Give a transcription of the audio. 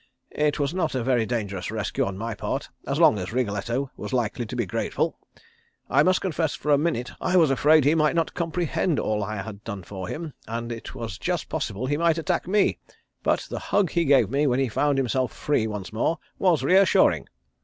It was not a very dangerous rescue on my part as long as Wriggletto was likely to be grateful. I must confess for a minute I was afraid he might not comprehend all I had done for him, and it was just possible he might attack me, but the hug he gave me when he found himself free once more was reassuring.